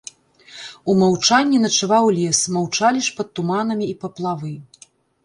У маўчанні начаваў лес, маўчалі ж пад туманамі і паплавы.